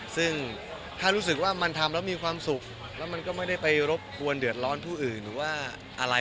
ซึ่งถ้ารู้สึกว่ามันทำแล้วมีความสุขแล้วมันก็ไม่ได้ไปรบกวนเดือดร้อนผู้อื่นหรือว่าอะไร